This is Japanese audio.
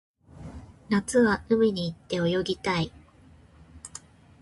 夏は海に行って泳ぎたい